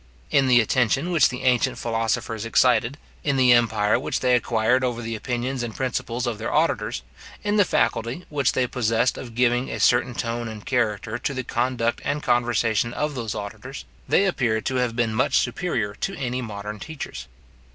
In the attention which the ancient philosophers excited, in the empire which they acquired over the opinions and principles of their auditors, in the faculty which they possessed of giving a certain tone and character to the conduct and conversation of those auditors, they appear to have been much superior to any modern teachers.